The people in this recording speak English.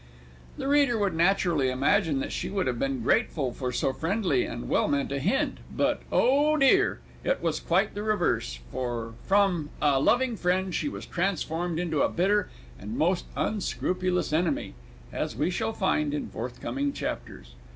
The reader would naturally imagine that she would have been grateful for so friendly and well meant a hint but oh, dear! it was quite the reverse, for from a loving friend she was transformed into a bitter and most unscrupulous enemy, as we shall find in forthcoming chapters.